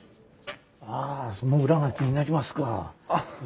あその裏が気になりますか？